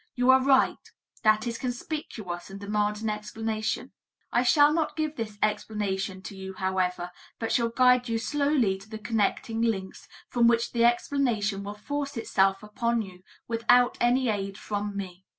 You are right; that is conspicuous and demands an explanation. I shall not give this explanation to you, however, but shall guide you slowly to the connecting links from which the explanation will force itself upon you without any aid from me.